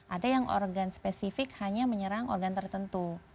ada yang organ spesifik hanya menyerang organ tertentu